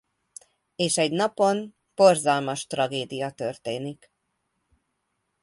És egy napon borzalmas tragédia történik.